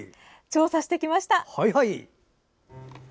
調査してきました！